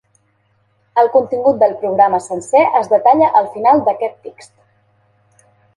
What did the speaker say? El contingut del programa sencer es detalla al final d’aquest text.